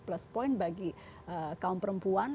plus point bagi kaum perempuan